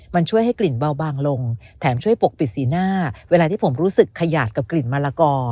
มันช่วยให้กลิ่นเบาบางลงแถมช่วยปกปิดสีหน้าเวลาที่ผมรู้สึกขยาดกับกลิ่นมะละกอ